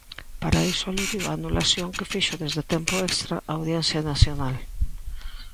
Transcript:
Para iso aludiu á anulación que fixo deste tempo extra a Audiencia Nacional.